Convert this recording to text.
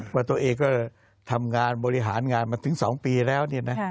ว่าตัวเองก็ทำงานบริหารงานมาถึง๒ปีแล้ว